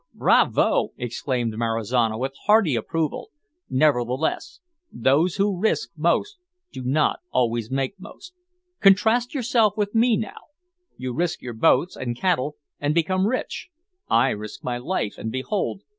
"Bravo!" exclaimed Marizano, with hearty approval; "nevertheless those who risk most do not always make most. Contrast yourself with me, now. You risk your boats and cattle, and become rich. I risk my life, and behold!